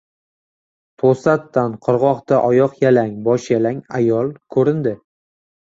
To‘satdan qirg‘oqda oyoqyalang boshyalang ayol ko‘rindi.